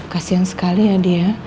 kasian sekali ya dia